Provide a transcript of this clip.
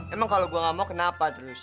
emang kalau gue gak mau kenapa terus